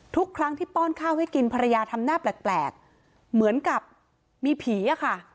ทุกครั้งที่ป้อนข้าวให้กินภรรยาทำหน้าแปลกเหมือนกับมีผีอะค่ะ